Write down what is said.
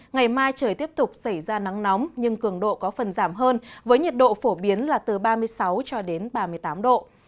ngày mai trời tiếp tục xảy ra nắng nóng nhưng cường độ có phần giảm hơn với nhiệt độ phổ biến là từ ba mươi sáu cho đến ba mươi tám độ